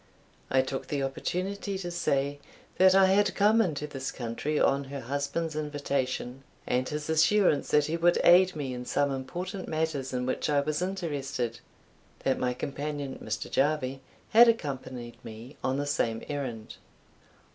I took the opportunity to say, "That I had come into this country on her husband's invitation, and his assurance that he would aid me in some important matters in which I was interested; that my companion, Mr. Jarvie, had accompanied me on the same errand."